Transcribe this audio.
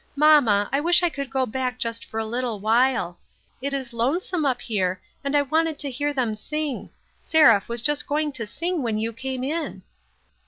Mamma, I wish I could go back just for a little while. It is lonesome up here, and I wanted to hear them sing. Seraph was just going to sing when you came in."